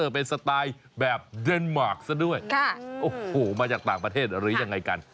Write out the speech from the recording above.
เป็นสไตล์แบบเดนมาร์คซะด้วยโอ้โหมาจากต่างประเทศหรือยังไงกัน